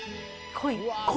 濃い！